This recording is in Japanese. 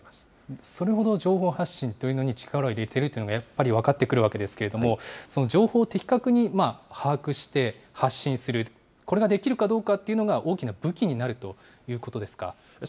それほど情報発信というのに力を入れているというのがやっぱり分かってくるわけですけれども、情報を的確に把握して発信する、これができるかどうかっていうのが、大きな武器になるということですか。